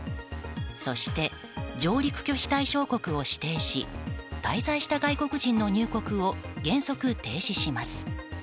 そして、上陸拒否対象国を指定し滞在した外国人の入国を原則停止します。